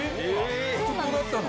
あそこだったの？